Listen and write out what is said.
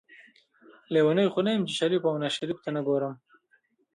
لیونۍ خو نه یم چې شریف او ناشریف ته نه ګورم.